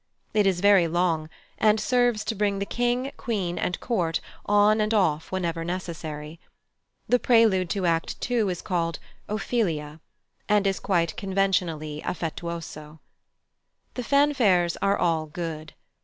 It is very long, and serves to bring the King, Queen, and court on and off whenever necessary. The prelude to Act ii. is called "Ophelia," and is quite conventionally affettuoso. The fanfares are all good.